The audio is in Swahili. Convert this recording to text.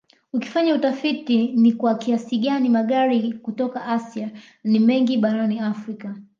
Ukifanya utafiti utaona ni kwa kiasi gani magari kutoka Asia ni mengi barani Afrika